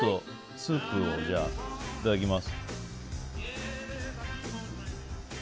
スープをじゃあいただきます。